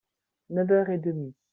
Neuf heures et demi.